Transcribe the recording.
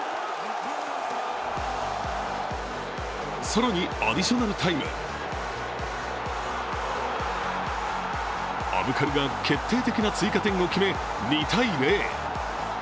更にアディショナルタイムアブカルが決定的な追加点を決め２−０。